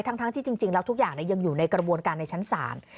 ทั้งที่จริงแล้วทุกอย่างยังอยู่ในกระบวนการในชั้นศาล